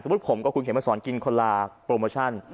สมมติขมก็คุณเขียนมาสอนกินโปรโมชั่น